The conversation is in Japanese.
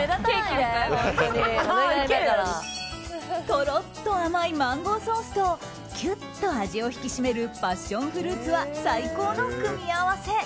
とろっと甘いマンゴーソースときゅっと味を引き締めるパッションフルーツは最高の組み合わせ。